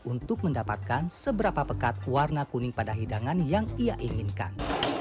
untuk mendapatkan seberapa pekat warna kuning pada hidangan yang ia inginkan